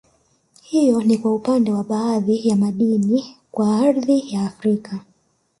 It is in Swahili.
Hiyo ni kwa upande wa baadhi ya madini kwa ardhi ya Afrika